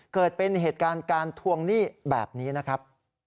เกิดเป็นเหตุการณ์การทวงหนี้แบบนี้นะครับ